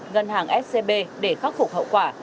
ngân hàng scb để khắc phục hậu quả